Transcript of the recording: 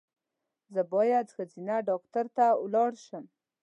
زه باید ښځېنه ډاکټر ته ولاړ شم